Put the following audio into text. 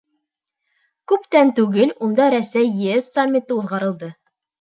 Күптән түгел унда Рәсәй-ЕС саммиты уҙғарылды.